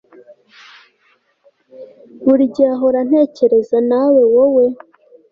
buri gihe ahora antekereza nawe wowe